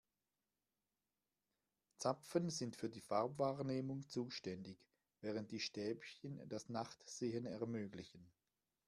Zapfen sind für die Farbwahrnehmung zuständig, während die Stäbchen das Nachtsehen ermöglichen.